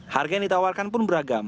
harga yang ditawarkan pun beragam